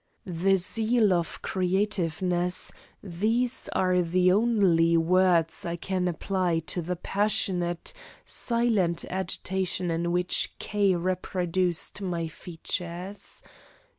The zeal of creativeness these are the only words I can apply to the passionate, silent agitation in which K. reproduced my features.